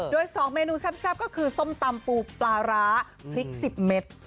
โดย๒เมนูแซ่บก็คือส้มตำปูปลาร้าพริก๑๐เม็ด